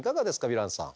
ヴィランさん。